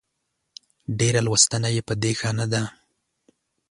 ډېره لوستنه يې په دې ښه نه ده